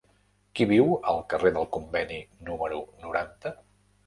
Qui viu al carrer del Conveni número noranta?